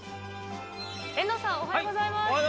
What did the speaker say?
遠藤さん、おはようございます。